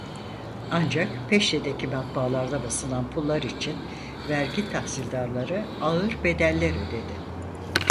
Ancak Peşte'deki matbaalarda basılan pullar için vergi tahsildarları ağır bedeller ödedi.